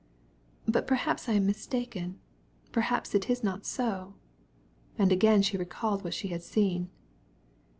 "But perhaps I am wrong, perhaps it was not so?" And again she recalled all she had seen.